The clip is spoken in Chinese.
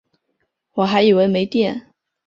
我还以为没电